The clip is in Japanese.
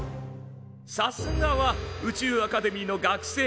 さすがは宇宙アカデミーの学生。